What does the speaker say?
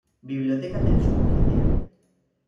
Biblioteca del Suboficial.